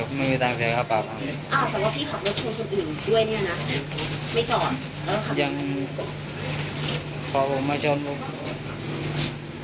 อ้าวแล้วไม่รู้เหรอเค้าว่าเสพยาแล้วมาขับรถมานานตลาด